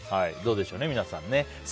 どうでしょうね、皆さん。